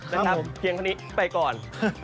เดี๋ยวทำเพียงเท่านี้ไปก่อน